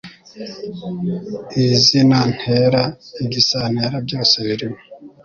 Izinantera Igisantera byose birimo